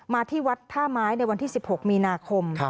ที่วัดท่าไม้ในวันที่๑๖มีนาคม